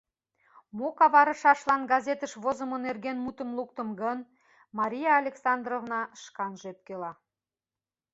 Мо каварышашлан газетыш возымо нерген мутым луктым гын?» — Мария Александровна шканже ӧпкела.